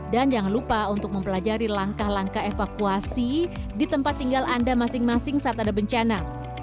dan jangan lupa untuk mempelajari langkah langkah evakuasi di tempat tinggal anda masing masing saat ada bencana